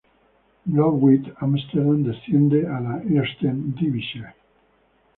Blauw-Wit Amsterdam desciende a la Eerste Divisie.